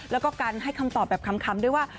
แล้วก็การให้คำตอบแบบคำด้วยว่า